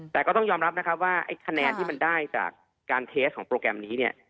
แต่ก็ต้องยอมรับว่าไอ้คะแนนที่มันได้จากการทดสอบของโปรแกรมนี้